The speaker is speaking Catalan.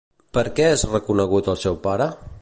Per què és reconegut el seu pare?